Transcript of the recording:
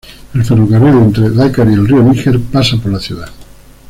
El ferrocarril entre Dakar y el río Níger pasa por la ciudad.